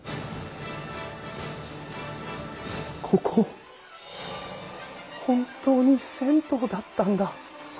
ここ本当に銭湯だったんだ。